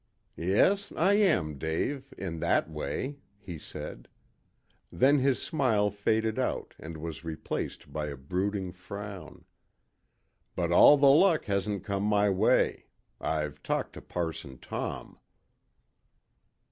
"Yes, I am, Dave in that way," he said. Then his smile faded out and was replaced by a brooding frown. "But all the luck hasn't come my way. I've talked to Parson Tom."